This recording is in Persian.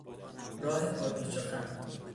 راه پر پیچ و خم